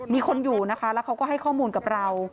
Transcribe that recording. มีคนอยู่นะคะแล้วเขาก็ให้ข้อมูลกับเรา